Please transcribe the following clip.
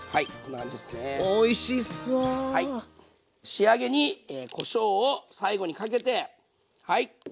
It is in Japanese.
仕上げにこしょうを最後にかけてはい。